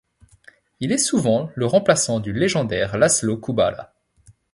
Il est souvent le remplaçant du légendaire Laszlo Kubala.